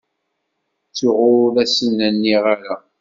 Ttuɣ ur asen-nniɣ ara.